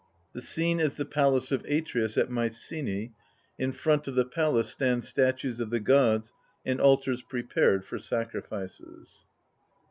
The Scene is the Palace of Atreus at Mycenae, In front of the Palace stand statues of the gods^ and cUtars prepared for sacrifices.